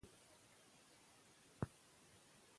دوی هره ورځ نوي شیان زده کوي.